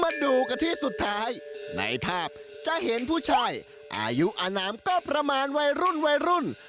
มาดูกันที่สุดท้ายในภาพจะเห็นผู้ชายอายุอนามก็ประมาณวัยรุ่นวัยรุ่น